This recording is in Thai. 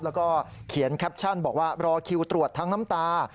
แล้วก็เขียนแคปชั่นบอกว่ารอคิวตรวจทั้งน้ำตา